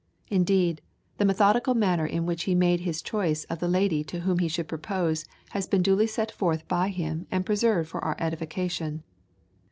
Indeed, the methodical manner in which he made his choice of the lady to whom he should propose has been duly set forth by him and preserved for our edification.